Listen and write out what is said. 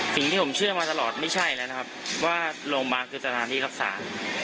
สิ่งที่ผมเชื่อมาตลอดไม่ใช่แล้วนะครับว่าโรงพยาบาลคือสถานที่รักษา